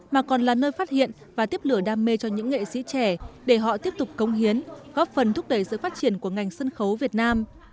mà còn là nơi phát hiện và tiếp lửa đam mê cho những nghệ sĩ trẻ để họ tiếp tục công hiến góp phần thúc đẩy sự phát triển của ngành sân khấu việt nam